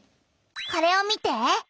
これを見て。